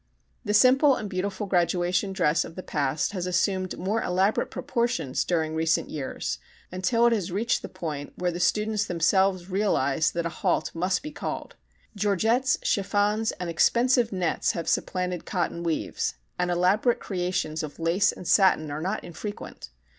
The simple and beautiful graduation dress of the past has assumed more elaborate proportions during recent years until it has reached the point where the students themselves realize that a halt must be called. Georgettes, chiffons, and expensive nets have supplanted cotton weaves and elaborate creations of lace and satin are not infrequent.